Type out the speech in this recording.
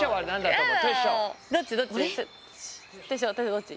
どっち？